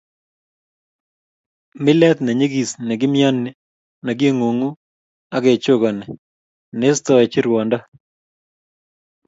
Milet nenyikis ne kimiano, nekingungu ak kechokani, neistoechi ruondo